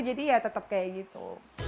jadi ya tetap kayak gitu